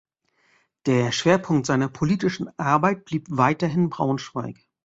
Der Schwerpunkt seiner politischen Arbeit blieb weiterhin Braunschweig.